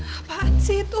apaan sih itu